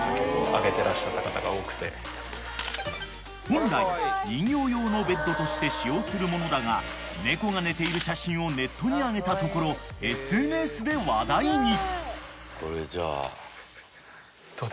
［本来人形用のベッドとして使用するものだが猫が寝ている写真をネットにあげたところＳＮＳで話題に］